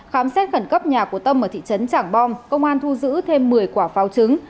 khám xét khẩn cấp nhà của tâm ở thị trấn trảng bom công an thu giữ thêm một mươi quả pháo trứng